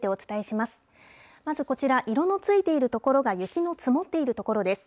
まずこちら、色のついている所が雪の積もっている所です。